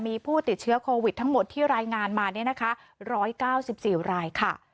มีผู้ติดเชื้อโควิดทั้งหมดที่รายงานมาเนี่ยนะคะร้อยเก้าสิบสี่รายค่ะ